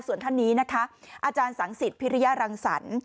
ส่วนท่านนี้นะคะอาจารย์สังสิทธิพิริยรังสรรค์